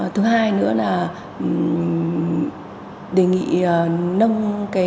thứ hai nữa là đề nghị nâng cái